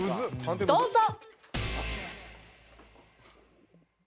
どうぞ！